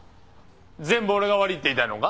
全部俺が悪いって言いたいのか？